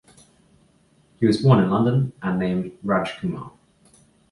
He was born in London and named Rajkumar.